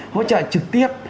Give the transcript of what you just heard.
hỗ trợ trực tiếp